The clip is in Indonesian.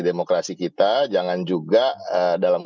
demokrasi kita jangan juga dalam